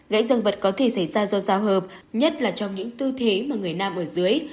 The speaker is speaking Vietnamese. gãy răng vật có thể xảy ra do giao hợp nhất là trong những tư thế mà người nam ở dưới